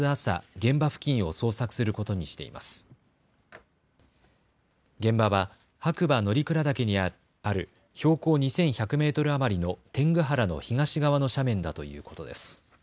現場は白馬乗鞍岳にある標高２１００メートル余りの天狗原の東側の斜面だということです。